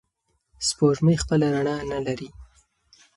سپوږمۍ خپله رڼا نلري.